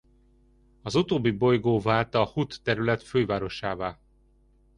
Az utóbbi bolygó vált a hutt terület fővárosává.